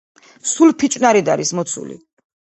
სულ ფიჭვნარით არის მოცული.